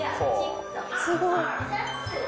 すごい。